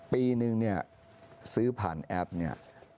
ปีหนึ่งซื้อผ่านแอปนี้